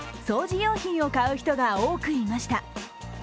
用品を買う人が多くいました。